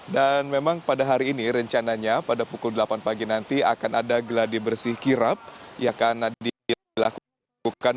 dan memang pada hari ini rencananya pada pukul delapan pagi nanti akan ada geladi bersih kirap yang akan dilakukan